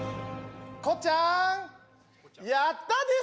こっちゃーんやったです